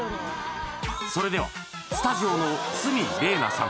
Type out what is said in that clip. それではスタジオの鷲見玲奈さん